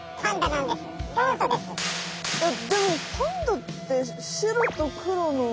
でもパンダって白と黒の。